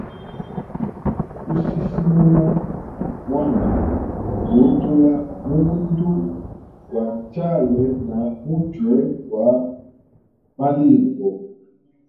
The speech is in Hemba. Usisimuna mwanda ngu utula mundu gwa chale na muchwe gwa malingo.